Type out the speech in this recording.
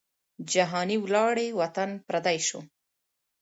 جهاني ولاړې وطن پردی سو